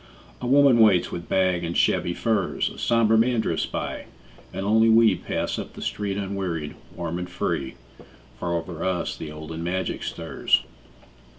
A woman waits with bag and shabby furs, A somber man drifts by, and only we Pass up the street unwearied, warm and free, For over us the olden magic stirs.